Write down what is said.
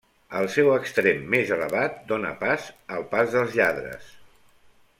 El seu extrem més elevat dóna pas al Pas dels Lladres.